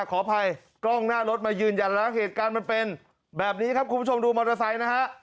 ขออภัยกล้องหน้ารถมายืนยันแล้วเหตุการณ์มันเป็นแบบนี้ครับคุณผู้ชมดูมอเตอร์ไซค์นะฮะ